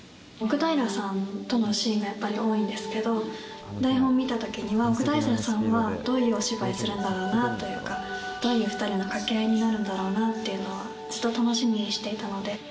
奥平さんとのシーンがやっぱり多いんですけど台本見た時には奥平さんはどういうお芝居するんだろうなというかどういう２人の掛け合いになるんだろうなっていうのはずっと楽しみにしていたので。